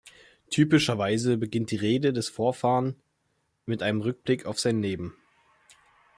Typischerweise beginnt die Rede des Vorfahren mit einem Rückblick auf sein Leben.